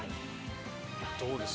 どうです？